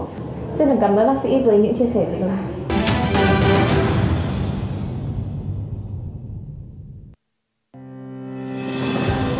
xin cảm ơn bác sĩ với những chia sẻ này